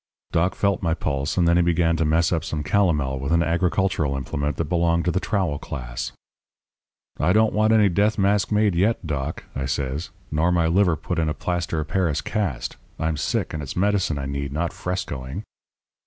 "Doc felt my pulse, and then he began to mess up some calomel with an agricultural implement that belonged to the trowel class. "'I don't want any death mask made yet, Doc,' I says, 'nor my liver put in a plaster of Paris cast. I'm sick; and it's medicine I need, not frescoing.'